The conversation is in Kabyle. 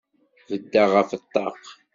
Beddeɣ ɣef ṭṭaq.